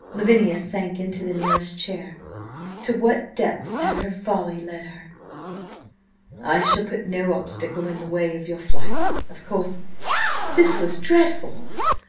Lavinia sank into the nearest chair. To what depths had her folly led her? "I shall put no obstacle in the way of your flight, of course. .." This was dreadful!